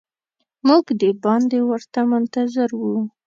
موږ د باندې ورته منتظر وو.